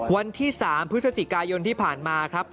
วันที่๓พฤศจิกายนที่ผ่านมาครับ